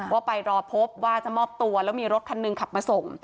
ว่าไปรอพบว่าจะมอบตัวแล้วมีรถคันหนึ่งขับมาส่ง